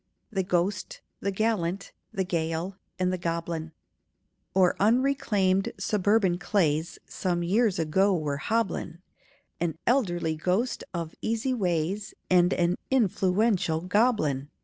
THE GHOST, THE GALLANT, THE GAEL, AND THE GOBLIN O'ER unreclaimed suburban clays Some years ago were hobblin' An elderly ghost of easy ways, And an influential goblin.